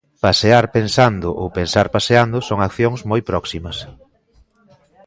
Pasear pensando ou pensar paseando son accións moi próximas.